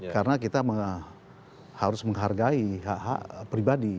karena kita harus menghargai hak hak pribadi